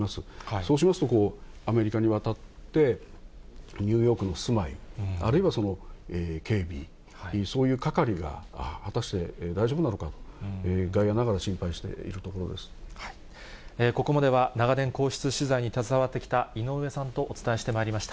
そうしますと、アメリカに渡って、ニューヨークの住まい、あるいは警備、そういうかかりが果たして大丈夫なのか、外野ながら心配しているここまでは、長年、皇室取材に携わってきた、井上さんとお伝えしてまいりました。